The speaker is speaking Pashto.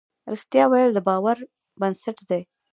رښتيا ويل د باور بنسټ دی.